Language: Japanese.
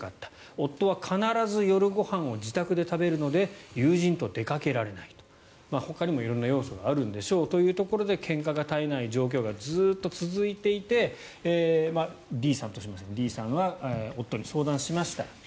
夫は必ず夜ご飯を自宅で食べるので友人と出かけられないほかにも色んな要素があるんでしょうというところでけんかが絶えない状況がずっと続いていてＤさんとしますがＤさんは夫に相談をしました。